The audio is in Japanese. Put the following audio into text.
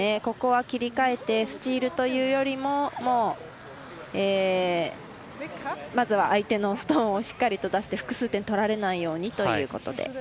ここは切り替えてスチールというよりももう、まずは相手のストーンをしっかりと出して、複数点取られないようにということで。